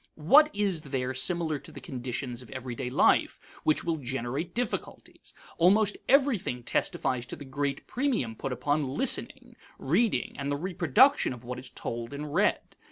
What is there similar to the conditions of everyday life which will generate difficulties? Almost everything testifies to the great premium put upon listening, reading, and the reproduction of what is told and read.